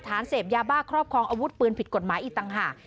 เสพยาบ้าครอบครองอาวุธปืนผิดกฎหมายอีกต่างหาก